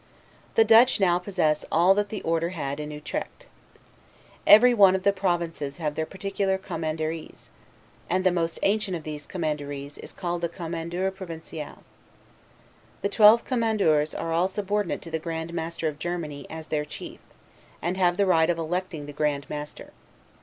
The Dutch now possess all that the order had in Utrecht. Every one of the provinces have their particular Commanderies; and the most ancient of these Commandeurs is called the Commandeur Provincial. These twelve Commandeurs are all subordinate to the Grand Master of Germany as their chief, and have the right of electing the grand master.